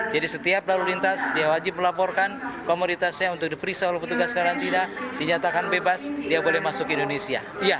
jadi setiap lalu lintas dia wajib melaporkan komoditasnya untuk diperiksa oleh petugas karantina dinyatakan bebas dia boleh masuk ke indonesia